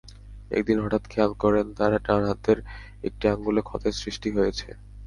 একদিন হঠাৎ খেয়াল করেন তাঁর ডান হাতের একটি আঙুলে ক্ষতের সৃষ্টি হয়েছে।